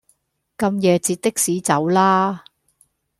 咁夜截的士走啦